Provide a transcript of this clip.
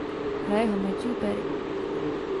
Hraje ho Matthew Perry.